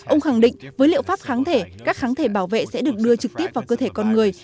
ông khẳng định với liệu pháp kháng thể các kháng thể bảo vệ sẽ được đưa trực tiếp vào cơ thể con người